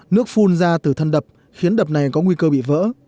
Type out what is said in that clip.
nước phun ra từ thân đập khiến đập này có nguy cơ bị vỡ